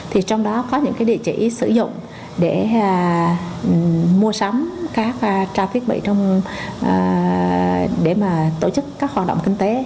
thì trong đó có những cái địa chỉ sử dụng để mua sắm các trang thiết bị để tổ chức các hoạt động kinh tế